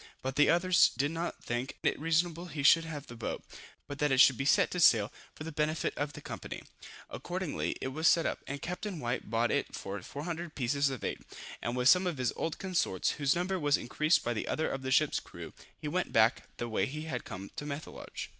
But the others did not think it reasonable he should have the boat, but that it should be set to sale for the benefit of the company. Accordingly it was set up, and Captain White bought it for 400 pieces of eight, and with some of his old consorts, whose number was increased by others of the ship's crew, he went back the way he had come to Methelage.